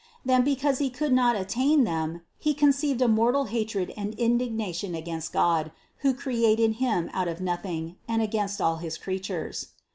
Then, because he could not attain them, he conceived a mortal hatred and indignation against God, who created him out of noth ing, and against all his creatures.